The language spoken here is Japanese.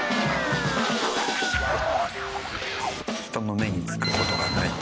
人の目につく事がない。